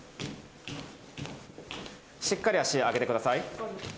しっかり足上げてください。